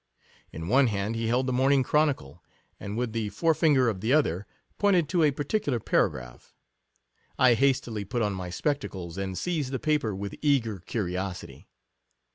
In one hand he held the Morning Chro nicle, and with the fore finger of the other, pointed to a particular paragraph. I hastily put on my spectacles, and seized the paper with eager curiosity.